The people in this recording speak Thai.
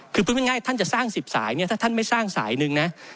คือพูดง่ายถ้าจะสร้าง๑๐สายถ้าท่านไม่สร้างแสนละคุณ